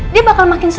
dia bakal makin setinggi